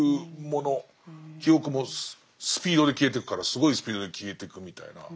記憶もスピードで消えてくからすごいスピードで消えてくみたいな。